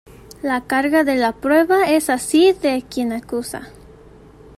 La carga de la prueba es así de quien acusa.